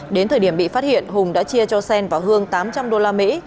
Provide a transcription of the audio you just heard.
đến thời điểm bị phát hiện hùng đã chia cho xen và hương tám trăm linh usd